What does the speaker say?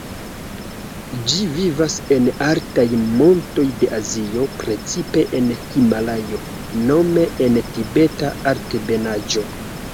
Ĝi vivas en altaj montoj de Azio, precipe en Himalajo, nome en Tibeta Altebenaĵo.